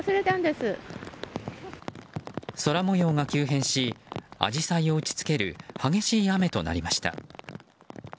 空模様が急変しアジサイを打ち付ける激しい雨となりました。